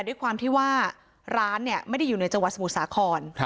ด้วยความที่ว่าร้านไม่ได้อยู่ในจังหวัดสมุทรสาคร